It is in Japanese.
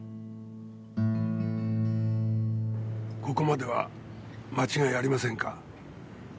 ここまでは間違いありませんか？